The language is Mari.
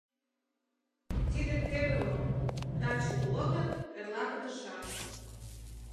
— Тиде теве мо: таче уло гын, эрла пытышаш.